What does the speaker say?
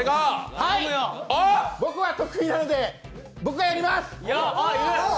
僕は得意なので、僕がやります！